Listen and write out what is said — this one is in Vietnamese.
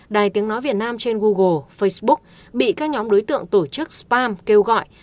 đài tiếng nói việt nam trên google facebook bị các nhóm đối tượng tổ chức spam kêu gọi